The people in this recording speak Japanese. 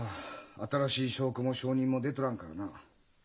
新しい証拠も証人も出とらんからな。